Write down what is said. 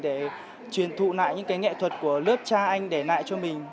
để truyền thụ lại những cái nghệ thuật của lớp cha anh để lại cho mình